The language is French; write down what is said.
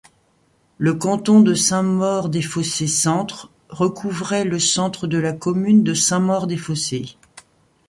Le canton de Saint-Maur-des-Fossés-Centre recouvrait le centre de la commune de Saint-Maur-des-Fossés.